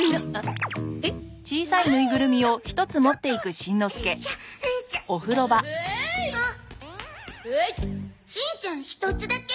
しんちゃん１つだけ？